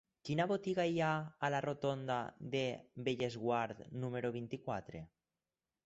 Quina botiga hi ha a la rotonda de Bellesguard número vint-i-quatre?